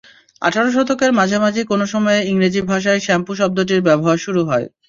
আঠারো শতকের মাঝামাঝি কোনো সময়ে ইংরেজি ভাষায় শ্যাম্পু শব্দটির ব্যবহার শুরু হয়।